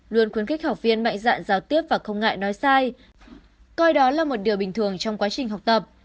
luôn khuyến khích học viên mạnh dạn giao tiếp và không ngại nói sai coi đó là một điều bình thường trong quá trình học tập